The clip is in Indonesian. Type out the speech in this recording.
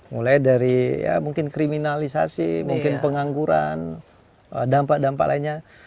mulai dari kriminalisasi pengangguran dampak dampak lainnya